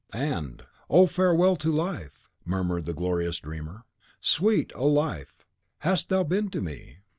And, "Oh, farewell to life!" murmured the glorious dreamer. "Sweet, O life! hast thou been to me.